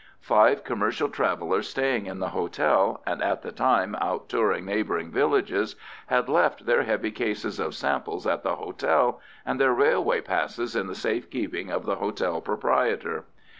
Five commercial travellers staying in the hotel, and at the time out touring neighbouring villages, had left their heavy cases of samples at the hotel, and their railway passes in the safe keeping of the hotel proprietor.